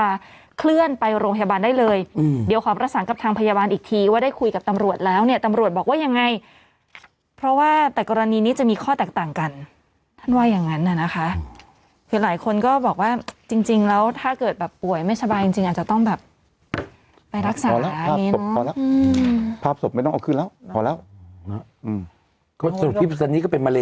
เคลื่อนไปโรงพยาบาลได้เลยอืมเดี๋ยวขอประสานกับทางพยาบาลอีกทีว่าได้คุยกับตำรวจแล้วเนี่ยตำรวจบอกว่ายังไงเพราะว่าแต่กรณีนี้จะมีข้อแตกต่างกันท่านว่าอย่างนั้นน่ะนะคะคือหลายคนก็บอกว่าจริงจริงแล้วถ้าเกิดแบบป่วยไม่สบายจริงจริงอาจจะต้องแบบไปรักษาแล้วศพพอแล้วภาพศพไม่ต้องเอาขึ้นแล้วพอแล้ว